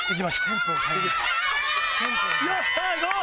よっしゃ行こう！